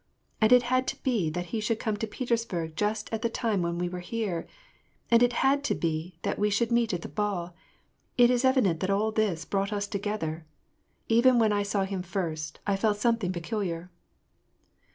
"And it had to be that he should come to Petersburg just at the time when we were here ; and it had to be that we should meet at that ball. It is evident that all this brought us together. Even when I saw him first, I felt something peculiar."